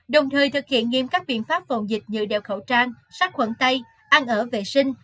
đồng thời thực hiện nghiêm các biện pháp phòng dịch như đeo khẩu trang sát khuẩn tay ăn ở vệ sinh